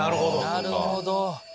なるほど。